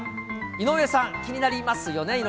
井上さん、気になりますよね？